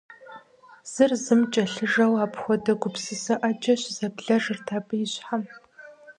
Зыр зым кӏэлъыжэу апхуэдэ гупсысэ ӏэджэ щызэблэжырт абы и щхьэм.